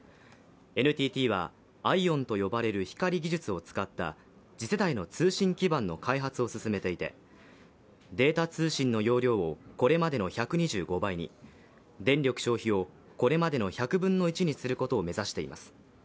ＮＴＴはＩＯＷＮと呼ばれる光技術を使った次世代の通信基盤の開発を進めていて、データ通信の容量をこれまでの１２５倍に電力消費をこれまでの１００分の１にすることを目指しています。